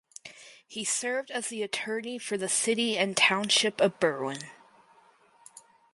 He served as the attorney for the City and Township of Berwyn.